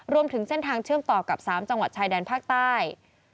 รวมถึงเส้นทางเชื่อมต่อกับ๓จังหวัดชายแดนภาคใต้